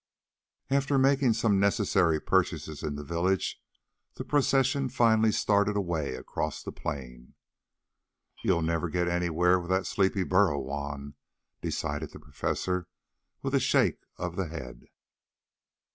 After making some necessary purchases in the village, the procession finally started away across the plain. "You'll never get anywhere with that sleepy burro, Juan," decided the Professor, with a shake of the head.